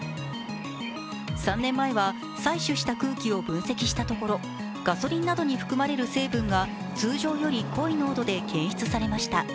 ３年前は採取した空気を分析したところガソリンなどに含まれる成分が通常より濃い濃度で検出されました。